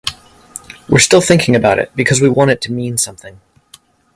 We're still thinking about it because we want it to mean something.